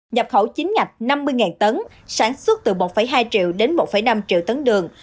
nhập khẩu chính ngạch năm mươi tấn sản xuất từ một hai triệu đến một năm triệu tấn đường